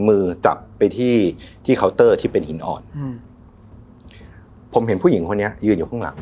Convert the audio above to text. มือจับไปที่ที่เคาน์เตอร์ที่เป็นหินอ่อนอืมผมเห็นผู้หญิงคนนี้ยืนอยู่ข้างหลัง